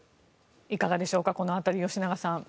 いかがでしょうかこの辺り、吉永さん。